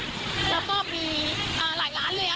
และก็แบบไล่ยิงกันตรงนี้เป็นปกติอ่ะค่ะ